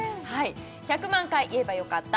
「１００万回言えばよかった」